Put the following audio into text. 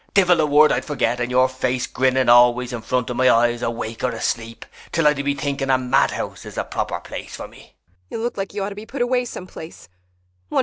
Divil a word I'd forget, and your face grinning always in front of my eyes, awake or asleep, 'til I do be thinking a madhouse is the proper place for me.